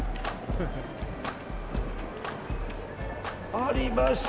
ありました。